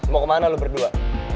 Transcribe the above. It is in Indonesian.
mau kemana lo berdua